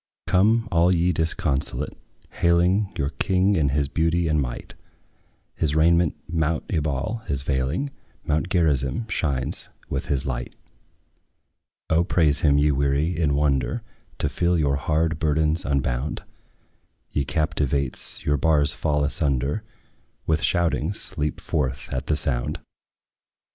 Come, all ye disconsolate, hailing Your King in his beauty and might; His raiment mount Ebal is veiling; Mount Gerizim shines with his light. O praise him, ye weary, in wonder To feel your hard burdens unbound! Ye captives, your bars fall asunder; With shoutings leap forth at the sound.